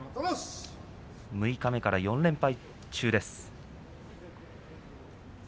六日目から４連敗中です。